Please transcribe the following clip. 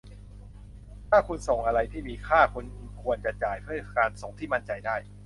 ถ้าคุณส่งอะไรที่มีค่า คุณควรจ่ายเพื่อการส่งที่มั่นใจได้